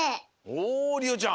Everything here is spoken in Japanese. おりおちゃん。